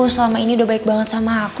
selama ini udah baik banget sama aku